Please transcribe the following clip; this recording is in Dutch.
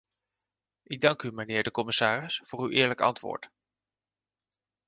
Ik dank u, mijnheer de commissaris, voor uw eerlijk antwoord.